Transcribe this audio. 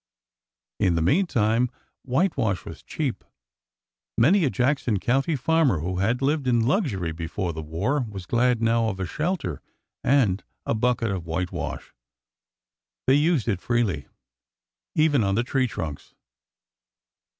In the meantime, whitewash was cheap. Many a Jackson County farmer who had lived in luxury before the war was glad now of a shelter and a bucket of whitewash. They used it freely — even on the tree trunks.